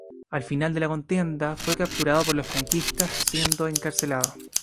Al final de la contienda fue capturado por los franquistas, siendo encarcelado.